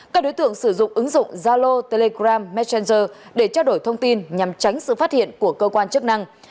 các đối tượng sử dụng ứng dụng zalo telegram messenger để trao đổi thông tin nhằm tránh sự phát hiện của cơ quan chức năng